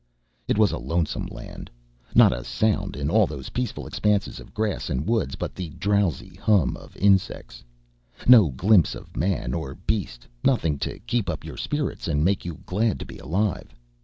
It was a lonesome land! Not a sound in all those peaceful expanses of grass and woods but the drowsy hum of insects; no glimpse of man or beast; nothing to keep up your spirits and make you glad to be alive.